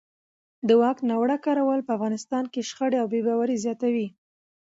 د واک ناوړه کارول په افغانستان کې شخړې او بې باورۍ زیاتوي